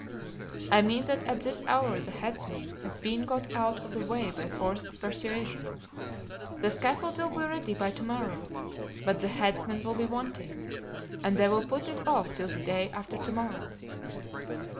"I mean that at this hour the headsman has been got out of the way by force or persuasion. The scaffold will be ready by to morrow, but the headsman will be wanting and they will put it off till the day after to morrow."